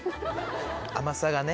甘さがね。